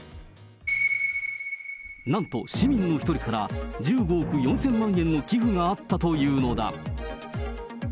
なんと、市民の一人から、１５億４０００万円の寄付があったというのだ。